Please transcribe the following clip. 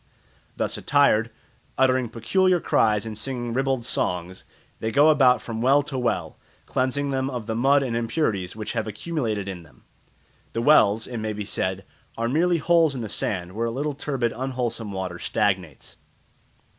Thus attired, uttering peculiar cries and singing ribald songs, they go about from well to well, cleansing them of the mud and impurities which have accumulated in them. The wells, it may be said, are merely holes in the sand where a little turbid unwholesome water stagnates.